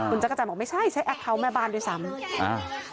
คุณจักรจันทร์บอกไม่ใช่ใช้แอคเคาน์แม่บ้านด้วยซ้ำอ่า